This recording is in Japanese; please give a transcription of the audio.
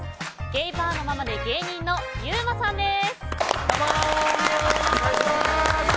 ゲイバーのママで芸人のユーマさんです。